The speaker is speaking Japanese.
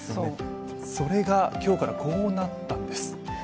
それが今日からこうなったんです。